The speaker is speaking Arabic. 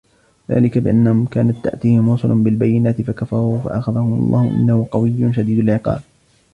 ذَلِكَ بِأَنَّهُمْ كَانَتْ تَأْتِيهِمْ رُسُلُهُمْ بِالْبَيِّنَاتِ فَكَفَرُوا فَأَخَذَهُمُ اللَّهُ إِنَّهُ قَوِيٌّ شَدِيدُ الْعِقَابِ